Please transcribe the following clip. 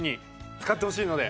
使ってほしいので！